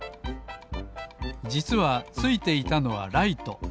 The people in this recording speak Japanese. じつはついていたのはライト。